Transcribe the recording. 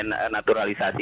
oke pemain naturalisasi